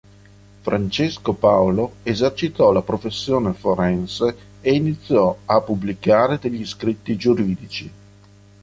Francesco Paolo esercitò la professione forense e iniziò a pubblicare degli scritti giuridici.